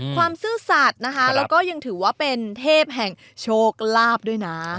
แล้วก็ยังถือว่าเป็นเทพแห่งโชคลาภด้วยนะ